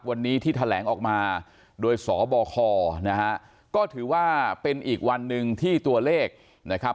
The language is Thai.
วันนี้ที่แถลงออกมาโดยสบคนะฮะก็ถือว่าเป็นอีกวันหนึ่งที่ตัวเลขนะครับ